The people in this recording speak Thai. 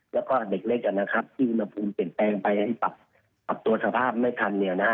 แล้วก็เด็กนะครับที่มาภูมิเปลี่ยนแปลงไปให้ปรับตัวสภาพไม่ทันเนี่ยนะ